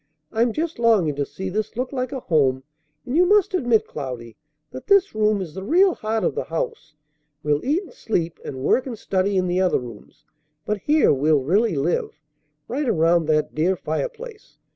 "I'm just longing to see this look like a home; and you must admit, Cloudy, that this room is the real heart of the house. We'll eat and sleep and work and study in the other rooms; but here we'll really live, right around that dear fireplace.